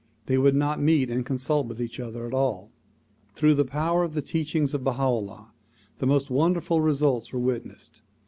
They would not meet and consult with each other at all. Through the power of the teachings of Baha 'Ullah the most wonderful results were witnessed.